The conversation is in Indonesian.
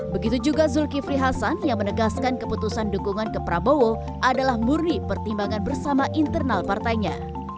begitu juga zulkifli hasan yang menegaskan keputusan dukungan ke prabowo adalah murni pertimbangan bersama internal partainya